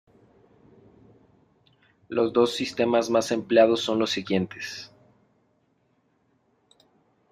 Los dos sistemas más empleados son los siguientes.